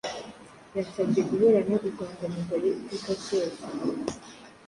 Yansabye guhorana ubwangamugayo iteka ryose